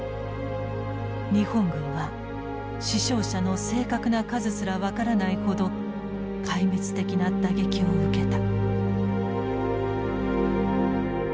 日本軍は死傷者の正確な数すら分からないほど壊滅的な打撃を受けた。